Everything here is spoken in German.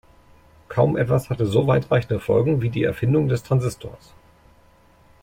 Kaum etwas hatte so weitreichende Folgen wie die Erfindung des Transistors.